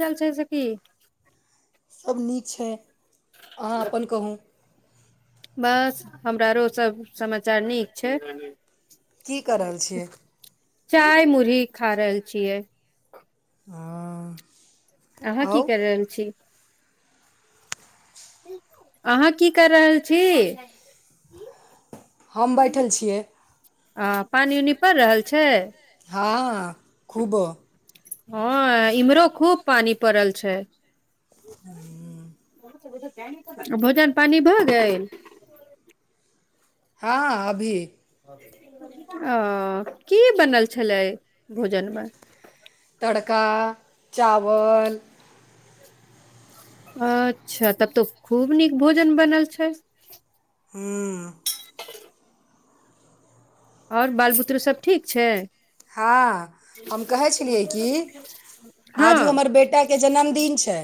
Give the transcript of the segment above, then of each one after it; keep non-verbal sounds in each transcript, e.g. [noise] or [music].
चाल छै से की सभ नीक छै अहाँ अपन कहू बस हमरारो सभ समाचार नीक छै की कऽ रहल छियै चाय मुुरही खा रहल छियै ओ अहाँ की कैर रहल छी अहाँ की कर रहल छी हम बैठल छियै आ पानि उनी पड़ रहल छै हँ खूब हँ इम्हरो खूब पानी पड़ल छै हू [inaudible] भोजन पानी भऽ गेल हँ अभी ओ की बनल छलै भोजनमे तड़का चावल अच्छा तब तो खूब नीक भोजन बनल छै हूँ आओर बाल बुतरू सब ठीक छै हँ हम कहै छेलियै की हँ आजू हमर बेटाके जन्मदिन छै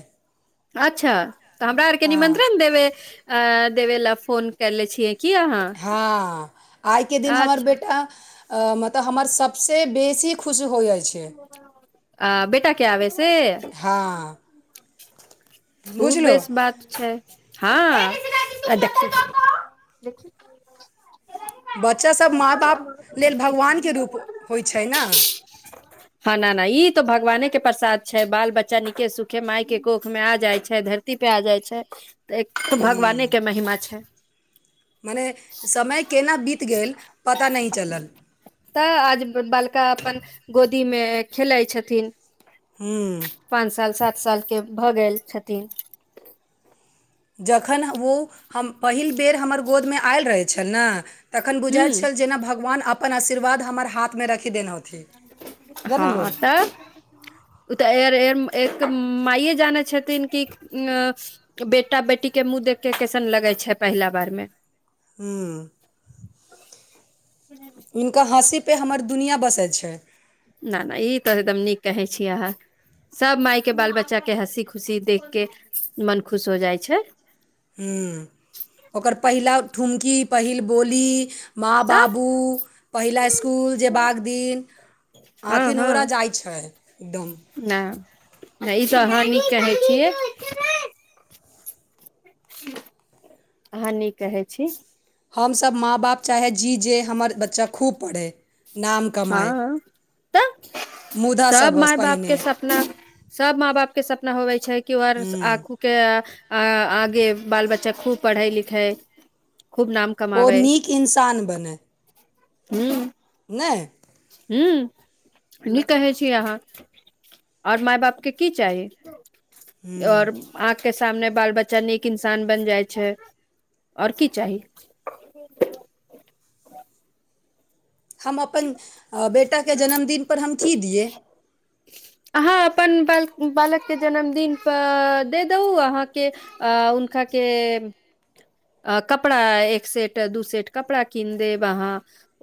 अच्छा तऽ हमरा आरके हँ निमन्त्रण देबै आ देबे ला फोन कैले छियै की अहाँ हँ आइके दिन हमर अच्छा बेटा मतलब हमर सबसे बेसी खुश हो जाइ छै आ बेटा के आबै से हँ खू बुझलहु बेस बात छै हँ आ देखि देखि बच्चासभ माँ बाप लेल भगवानके रूप होइत छै न [inaudible] ह न ना ई तो भगवाने के प्रसाद छै बाल बच्चा नीके सुखे माय के कोख में आ जाय छै धरती पे आ जाइ छै त एक भगवाने हूँ के महिमा छै मने समय केना बीत गेल पता नहि चलल तऽ आज बालका अपन गोदीमे खेलैत छथिन हूँ पाँंच साल सात सालके भऽ गेल छथिन जखन ओ हम पहिल बेर हमर गोदमे आयल रहल छन न तखन हूँ बुझाय छल जेना भगवान अपन आशीर्वाद हमर हाथ मे रख हँ तऽ ओ तऽ एर एक माइए जानै छथिन कि बेटा बेटी के मुँह देखके कैसन लग लगै छै पहिला बारमे हूं हिनका हँसीपर हमर दुनिआँ बसै छै न नहि ई तऽ एकदम नीक कहै छी अहाँ सब मायके बाल बच्चा के हँसी खुशी देख के मन खुश हो जाइ छैइ हूंअ् ओकर पहिला ठुमकी पहिल बोली माँ तऽ बाबू पहिला इसकुल जयबाक दिन हँ आखिन नोरा हँ जाइ छैइ एकदम ना ई तऽ अहाँ नीक कहैइ छियैइ अहाँ नीक कहैइ छी हमसब माँ बाप चाहैय छी जे हमर बच्चा खूब पढ़य नाम कमाय हँ तऽ मुदा सब सभसँ माय बाप पहिने के सपना सब माँ बाप के सपना होवै छैइ कि ओर आँखू के आ आगे बाल बच्चा खूब पढ़ै लिखै खूब नाम ओ कमावैइ नीक इन्सान बनय हूं नहि हूंअ् नीक कहैए छी अहाँ और माय बाप के की चाही और आ के सामने बाल बच्चा नीक इंसान बन जाइ छैए और की चाही [inaudible] हम अपन बेटाके जन्मदिनपर हम की दियै अहाँ अपन बाल बालक के जन्मदिन द दहु अहाँके उनका के अ कपड़ा एक सेट दू सेट कपड़ा कीन देब अहाँ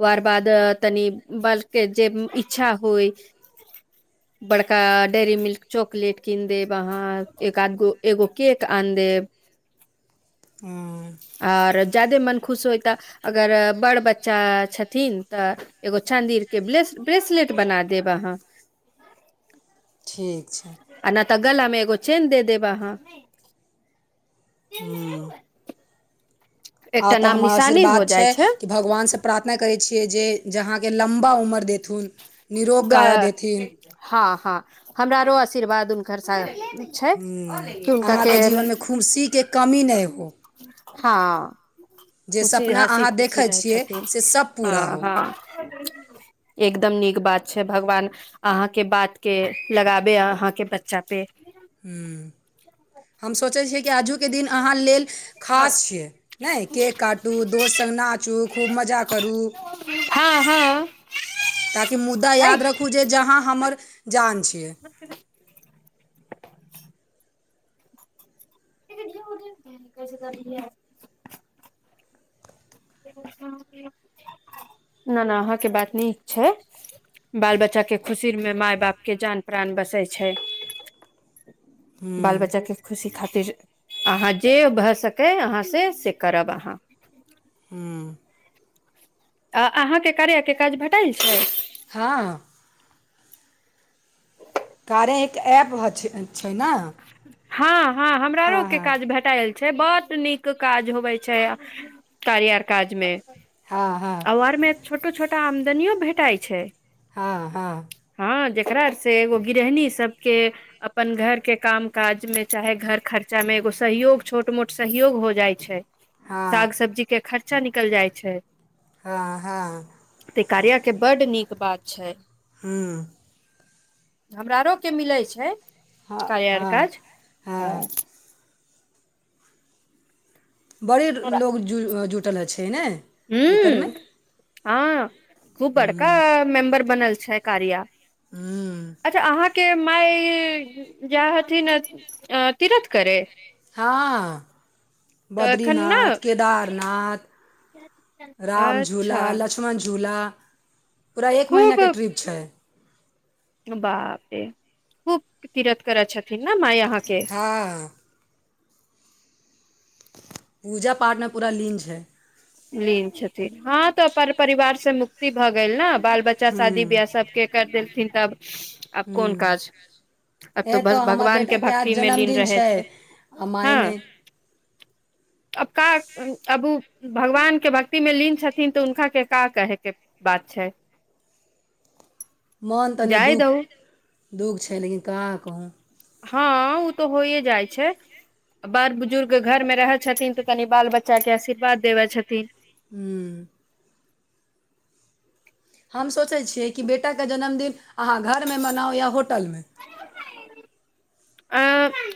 वार बाद तनि बलके जे इच्छा होइ [inaudible] बड़का डेयरी मिल्क चॉकलेट कीन देब अहाँ एक आध गो एगो केक आन देब [inaudible] अं और जादे मन खुश होइत अगर बड़ बच्चा छथिन तऽ एगो चांदी के ब्रेसलेट बना देब अहाँ ठीक छैइ आ नहि तऽ गला में एगो चेन दे देब अहाँ हूँ आ एकटा तऽ नाम हमर निशानी हो आशीर्वाद जाइ छैइ छै कि भगवान से प्रार्थना करै छीअइ जे आहा के लंबा उम्र देथून हाँ हाँ हमरा रो आशीर्वाद हुनकर सा छैइ कि हुनका अहाँके के जीवनमे खुशीके कमी नहि हो हँ जे खुशी सपना हँसी अहाँ खुशी देखै रहैए छियै छथिन से सब पूरा हँ हो हँ एकदम नीक बात छैइ भगवान अहाँ के बात के लगाबे अहाँ के बच्चा पे हू हम सोचैइ छिअइ जे आजूक दिन आहा लेल खास छैइ नई केक काटू दोस संग नाचू खूब मजा करू हँ हँ ताकि मुद्दा अइ याद रखू जे जहाँ हमर जान छैइ [inaudible] [unintelligible] [inaudible] न न अहाँके बात नीक छैई बाल बच्चा चा के खुशी मे माय बापके जान प्राण बसैइ छैइ [inaudible] बाल ह्म्म बच्चा के खुशी खातिर अहाँ जे भइ सकय अहाँसँ से करब अहाँ हू आ अहाँके कार्य के काज भटाइल छै हँ कारे एक ऐप छै छै न हँ हँ हमरारोक के काज भेटाइल छै बहुत नीक काज होवे छै कार्य काज मे हँ हँ आ आर मे छोटो छोट आमदनियो भेटाय छै हँ हँ हँ से एगो गृहणी सबके अपन घर के काम काज मे चाहे घर खर्चा मे एगो सहयोग छोट मोट सहयोग हो जाइ छै हँ साग सब्जी के खर्चा निकल जाइ छै हँ हँ ते कार्यके बड्ड नीक बात छै हू हमरारोके मिलै छै हँ कायर हँ काज हँ बड़े लोको जु जुटल छै ने हू एकरमे हँ खूब बड़का मेमबर बनल छै कारिया ह्म्म अच्छह अहाँ के माय जाय हथिन अ तीरथ करे हँ तऽ एखन ने बदरीनाथ केदारनाथ राम झूला अच्छा लक्ष्मण झूला पूरा एक महिना के ट्रिप छै बापरे खूब तीरथ करै छथिन ने मया हँ पूजा पाठमे पूरा लीन छै लीन छथिन हँ तऽ पर - परिवार से मुक्ति भऽ गेल न बाल बच्चा शादी ह्म्म बियाह सबके कर देलथिन तब आब कोन ह्म्म काज आब तऽ ए बस हमर भगवानके बेटाके आज भक्तिमे लीन जन्मदिन रहै छै आ माय हँ नहि अब का अबू भगवान के भक्ति मे लीन छथिन तऽ हुनका के का कहे के बात छै मन तनि जाय दुःख दहु दुःख छै लेकिन का कहूँ हँ ओ तऽ होइ जाइ छै बाल बुजुर्ग घरमे रहै छथिन तऽ तनि बाल बच्चाके आशीर्वाद देबै छथिन ह्म हम सोचैत छियै कि बेटाके जन्मदिन अहाँ घरमे मनाउ या होटलमे [inaudible]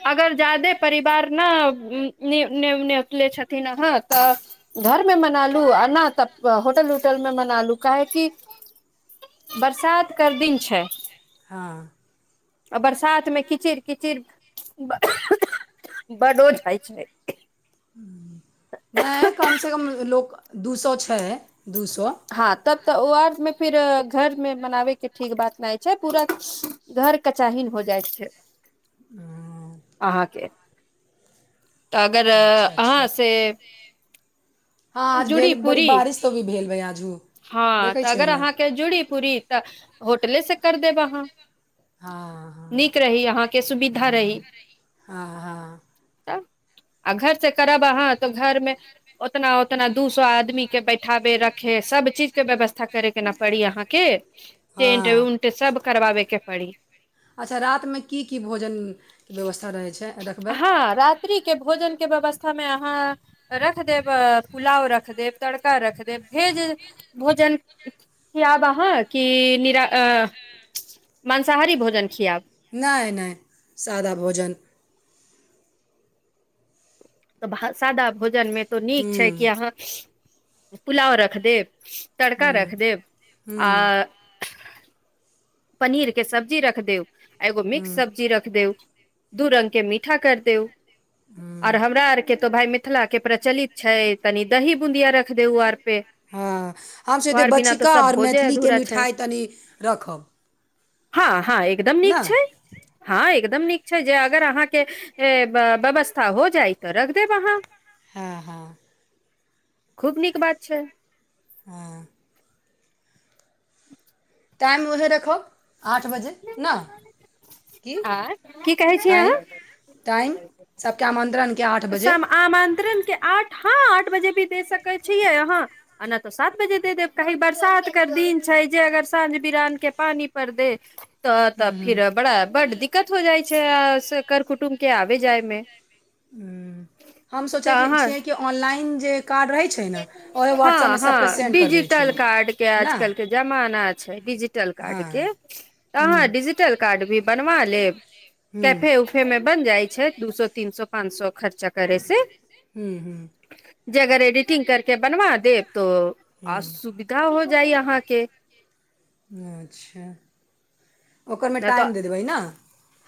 अगर जा्यदे परिवार ने ने नेपले छथिन हँ तऽ घर मे मना लू आ न तऽ होटल उटल मे मना लू काहे कि [inaudible] बरसात कर दिन छै हँ आ बरसात मे कीचिड़ कीचिड़ बडो ज होइ छै नहि कम से कम लोक दू सए छै दू सए हँ तब तऽ ओ आमे फिर घर मे मनाबे के ठीक बात नहि छै पूरा घर कचाहिन हो जाइ छै अहाँके तऽ अगर अच्छा अहाँ अच्छा से हँ आज भेल जुड़ी बड़ी पूरी बारिश त भी भेलेल भै आज हँ तऽ अगर अहाँके जुड़ी पूरी तऽ होटलेसँ कर देब अहाँ हँ हँ नीक रही अहाँके सुविधा रही हाँ हाँ हाँ त आ घर से करब अहाँ तो घर मे उतना उतना दू सौ आदमी के बैठाबे रखे सब चीजके व्यवस्था करैके ने पड़ी अहाँके टेंट हँ उंट सब करवाबेके पड़ी अच्छा रातमे की की भोजनके व्यवस्था रहै छै रखबै हँ रात्रि के भोजन के व्यवस्था में अहाँ रख देब पुलाव रख देब तड़का रख देब भेज भोजन खियाब अहाँ कि निरा मंसाहारी भोजन खियाब नहि नहि सादा भोजन तऽ भ सादा भोजनमे तो नीक छै कि ह्म्म अहाँ पुलाव रख देब तड़का ह्म्म रख देब ह्म्म आ पनीर के सब्जी रख देव एगो मिक्स ह्म्म सब्जी रख देव दू रंग के मीठा कर देओ आर ह्म्म हमरा आरके तो भाय मिथिला के प्रचलित छै तनी दही बूंदिया रख देउ आर पे हँ हम सोचते आर बिना तऽ बच्चिका सब आओर भोजे मैथिलीके अधूरा छै मिठाइ तनि रखब हाँ हाँ एकदम ने नीक छै हाँ म नीक छै जे अगर अहाँके व्यवस्था हो जाई तऽ रख देब अहाँ हाँ हाँ खूब नीक बात छै हाँ टाइम उहे रखउ आठ बजे ना की आर की कहै छी अहाँ टाइम टाइम सबके आमन्त्रण सम आमंत्रण आठ ह आठ बजे भी दे सकै छियै अहाँना तऽ सात बजे दे देब कही बरसात कर दिन छै जे अगर साँझ बिरान के पानी पर दे तऽ तऽ हूँ फिर बड़ा बड् दिक्क दिक्कत हो जाइ छै कर कुटुम के आबे जायमे हम सोचैत छियै कि ऑनलाइन जे कार्ड रहै छै ने ओहे व्हाट्सएपमे हाँ सभके हाँ सेंड करि दै छियै डिजिटल कार्ड के ने आजकल के जमाना छै डिजिटल कार्ड के हँ त अहाँ हूँ डिजिटल कार्ड भी बनवा लेब हूँ कैफे उफे मे बन जाइ छै दू सौ तीन सौ पाँच सौ खर्चा करै से ह्म ह्म [inaudible] फिटिंग करके बनबा देब तो आ हूँ सुविधा हो जाइ अहाँके अच्छा ओकरमे नहि टाइम तऽ देऽ देबै ना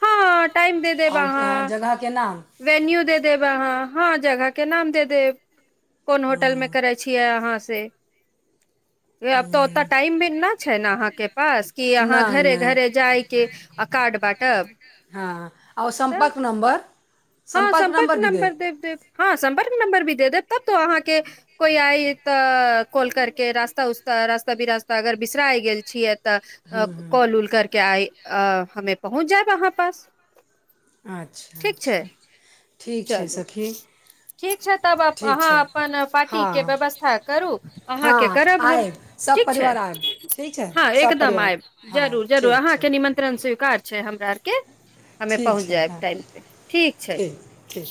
हँ टाइम दे देब आ अहाँ जगह के नाम वेन्यू दे देब अहाँ हाँ जगह के नाम दे देब कोन होटलमे हूँ करै छियै अहाँ से आब तऽ ओत्ता टाइम भी न छै ने अहाँके पास कि अहाँ नहि घरे घरे नहि जायके आ कार्ड बांटब हाँ ओ सम्पर्क नम्बर हाँ सम्पर्क नम्बर भी दे नंबर देव देव हँ सम्पर्क नंबर भी दे देब तब तो अहाँके कोई आइ तऽ कॉल करके रास्ता उ ता रास्ता बिरास्ता अगर बिसराइ गेल छियै तऽ हूँ हूँ कॉल उल करके आइ अ हमे पहुँच जाए आहाँ पास अच्छा ठीक छै अच्छा ठीक छै चलू सखी ठीक छै तब ठीक अहाँ छै अपन पार्टीके हँ व्यवस्था करू अहाँके हँ करब हम आयब सभ ठीक छै परिवार आयब ठीक छै हाँ सभ एकदम परिवार आएब हँ जरूर जरूर ठीक अहाँके ठीक निमंत्रण स्वीकार छै हमरा आरके हमे ठीक पहुँच छै जायब हँ टाइम पे ठीक छै ठीक ठीक